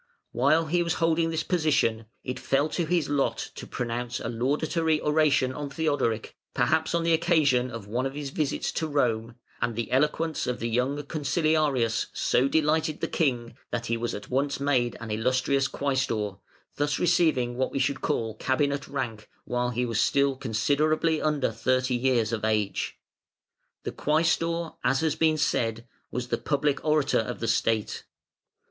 While he was holding this position, it fell to his lot to pronounce a laudatory oration on Theodoric (perhaps on the occasion of one of his visits to Rome), and the eloquence of the young Consiliarius so delighted the King, that he was at once made an "Illustrious" Quæstor, thus receiving what we should call cabinet rank while he was still considerably under thirty years of age. The Quæstor, as has been said, was the Public Orator of the State.